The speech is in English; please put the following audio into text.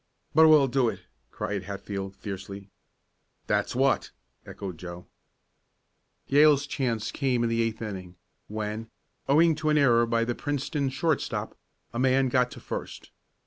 "But we'll do it!" cried Hatfield, fiercely. "That's what!" echoed Joe. Yale's chance came in the eighth inning, when, owing to an error by the Princeton shortstop, a man got to first.